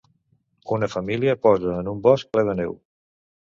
Una família posa en un bosc ple de neu.